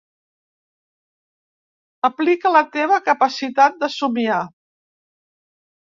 Aplica la teva capacitat de somiar.